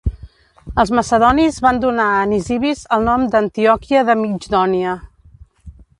Els macedonis van donar a Nisibis el nom d'Antioquia de Migdònia.